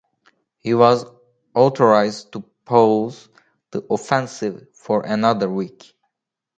He was authorized to pause the offensive for another week.